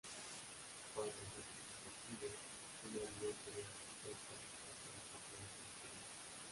Para el facultativo, una vida interior rica es básica para alcanzar la felicidad.